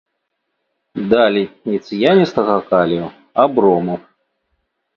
Далі не цыяністага калію, а брому.